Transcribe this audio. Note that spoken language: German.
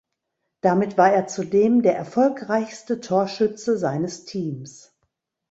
Damit war er zudem der erfolgreichste Torschütze seines Teams.